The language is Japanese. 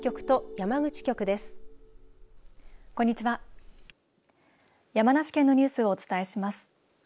山梨県のニュースをお伝えします。